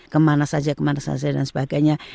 kemana saja kemana saja dan sebagainya